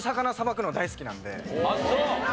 あっそう。